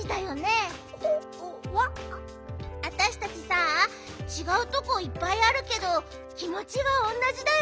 わたしたちさちがうとこいっぱいあるけどきもちはおんなじだよね。